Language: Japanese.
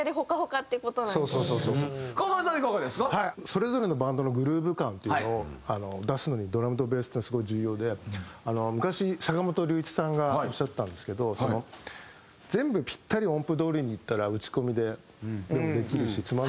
それぞれのバンドのグルーヴ感っていうのを出すのにドラムとベースっていうのはすごい重要で昔坂本龍一さんがおっしゃってたんですけど全部ぴったり音符どおりにいったら打ち込みでもできるしつまらないんだけど